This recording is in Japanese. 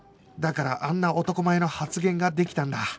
だからあんな男前の発言ができたんだ